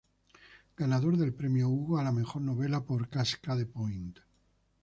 Ganador del premio Hugo a la mejor novela por "Cascade Point".